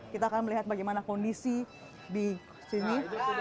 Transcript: kita akan melihat bagaimana kondisi di sini